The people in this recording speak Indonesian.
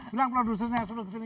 bilang produsennya suruh kesini